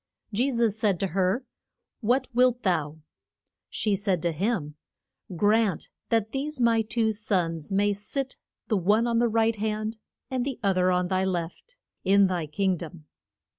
Je sus said to her, What wilt thou? She said to him, Grant that these my two sons may sit, the one on thy right hand, and the oth er on thy left, in thy king dom.